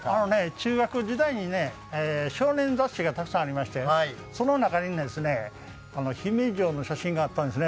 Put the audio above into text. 中学時代に、少年雑誌がたくさんありましてその中に姫路城の写真があったんですね。